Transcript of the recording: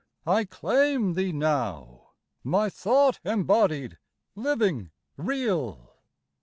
I claim thee now— My thought embodied, living, real."